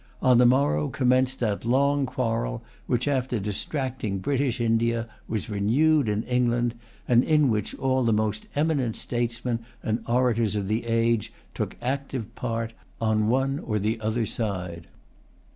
On the morrow commenced that long quarrel which, after distracting British India, was renewed in England, and in which all the most eminent statesmen and orators of the age took active part on one or the other side.